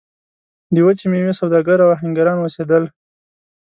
د وچې میوې سوداګر او اهنګران اوسېدل.